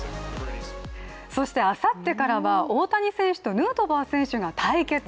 そしてあさってからは、大谷選手とヌートバー選手が対決。